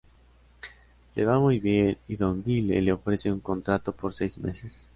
Le va muy bien y don Guille le ofrece un contrato por seis meses.